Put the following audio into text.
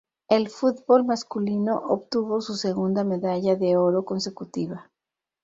El fútbol masculino obtuvo su segunda medalla de oro consecutiva.